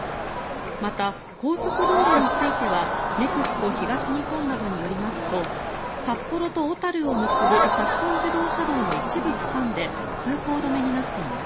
また、高速道路についてはネクスコ東日本などによりますと札幌と小樽を結ぶ札樽自動車道の一部区間で通行止めになっています。